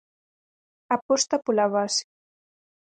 Aposta pola base.